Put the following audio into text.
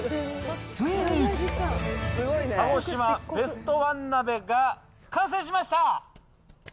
ついに。鹿児島ベストワン鍋が完成しました。